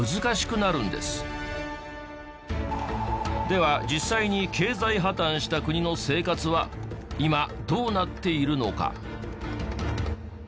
では実際に経済破綻した国の生活は今どうなっているのか？